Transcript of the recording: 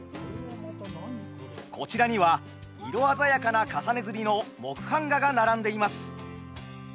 こちらには色鮮やかな重ね刷りの木版画が並んでいます。